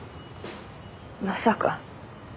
まさか。